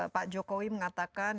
pak jokowi mengatakan